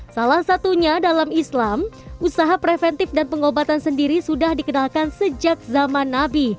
salah satunya dalam islam usaha preventif dan pengobatan sendiri sudah dikenalkan sejak zaman nabi